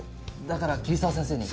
だから桐沢先生に。